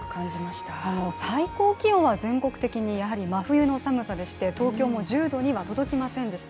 最高気温は全国的にやはり真冬の寒さでして、東京も１０度には届きませんでした。